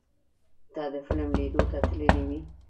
ته د فلم لیدو ته تللی وې؟